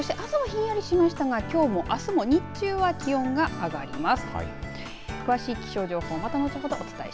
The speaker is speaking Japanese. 朝はひんやりしましたがきょうもあすも日中は気温が上がります。